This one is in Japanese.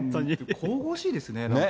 神々しいですね。